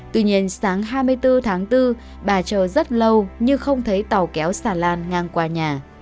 tuy nhiên sáng hai mươi bốn tháng bốn bà chờ rất lâu nhưng không thấy tàu kéo xà lan ngang qua nhà